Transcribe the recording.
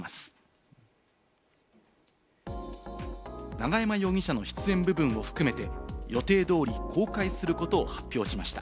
永山容疑者の出演部分を含めて予定通り公開することを発表しました。